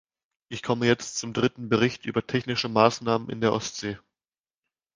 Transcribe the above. Ich komme jetzt zum dritten Bericht über technische Maßnahmen in der Ostsee.